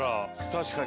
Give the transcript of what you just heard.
確かに。